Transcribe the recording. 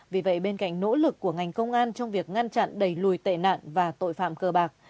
vì vậy bên cạnh nỗ lực của ngành công an trong việc ngăn chặn đẩy lùi tệ nạn và tội phạm cơ bạc